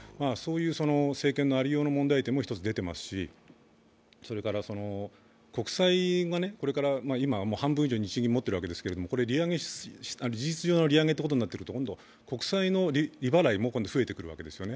政権のありようの問題点も一つ出てますし、国債は今、半分以上を日銀が持っているわけですけどこれ事実上の利上げということになってくると今度、国債の利払いも増えてくるわけですよね。